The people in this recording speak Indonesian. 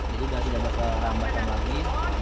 jadi kita tidak bakal ramah lagi